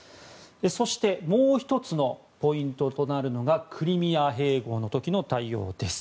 そしてもう１つのポイントとなるのがクリミア併合の時の対応です。